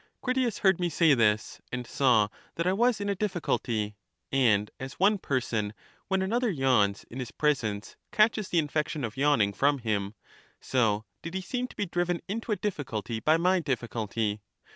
Critias heard me say this, and saw that I was in a difiiculty; and as one person when another yawns in his presence catches the infection of yawning from him, so did he seem to be driven into a difiiculty by my difiiculty.